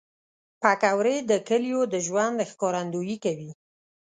پکورې د کلیو د ژوند ښکارندویي کوي